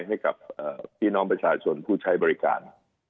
ให้กับพี่น้องประชาชนผู้ใช้บริการ